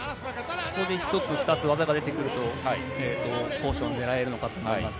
ここで１つ、２つ技が出てくると攻守を狙えるのかなと思います。